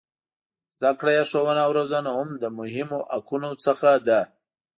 زده کړه یا ښوونه او روزنه هم له مهمو حقونو څخه ده.